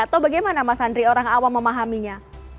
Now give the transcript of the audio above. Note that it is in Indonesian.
atau bagaimana mas andri orang awam memahaminya